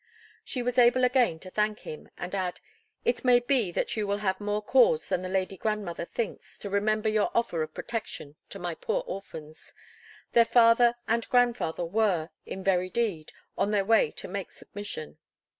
She was able again to thank him, and add, "It may be that you will have more cause than the lady grandmother thinks to remember your offer of protection to my poor orphans. Their father and grandfather were, in very deed, on their way to make submission."